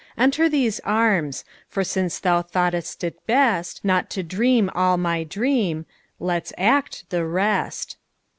Enter these arms, for since thou thought'st it bestNot to dream all my dream, let's act the rest.